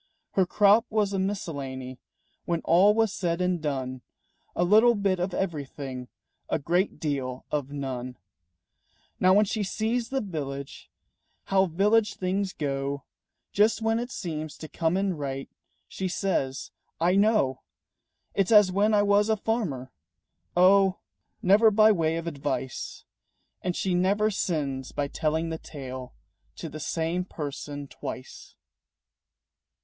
Her crop was a miscellany When all was said and done, A little bit of everything, A great deal of none. Now when she sees in the village How village things go, Just when it seems to come in right, She says, "I know! It's as when I was a farmer " Oh, never by way of advice! And she never sins by telling the tale To the same person twice.